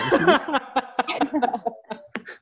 lu mau ke sini